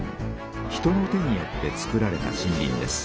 人の手によってつくられた森林です。